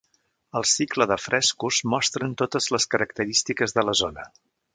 El cicle de frescos mostren totes les característiques de la zona.